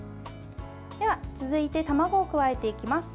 続いて、卵を加えていきます。